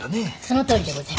「そのとおり」って。